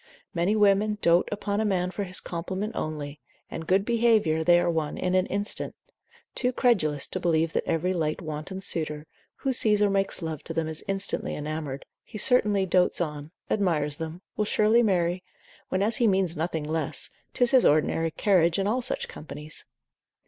Many women dote upon a man for his compliment only, and good behaviour, they are won in an instant; too credulous to believe that every light wanton suitor, who sees or makes love to them, is instantly enamoured, he certainly dotes on, admires them, will surely marry, when as he means nothing less, 'tis his ordinary carriage in all such companies.